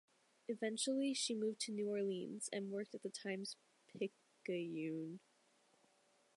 Eventually, she moved to New Orleans, and worked at the "Times-Picayune".